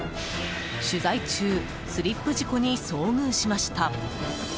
取材中スリップ事故に遭遇しました。